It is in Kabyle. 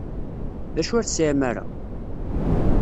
D acu ur tesɛim ara?